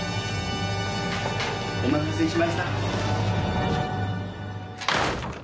お待たせしました。